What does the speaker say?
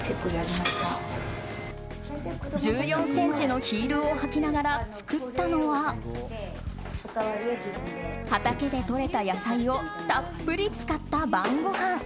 １４ｃｍのヒールを履きながら作ったのは畑で採れた野菜をたっぷり使った晩ごはん。